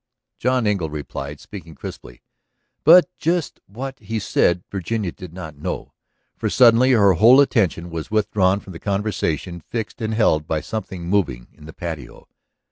John Engle replied, speaking crisply. But just what he said Virginia did not know. For suddenly her whole attention was withdrawn from the conversation, fixed and held by something moving in the patio.